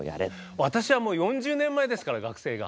私はもう４０年前ですから学生が。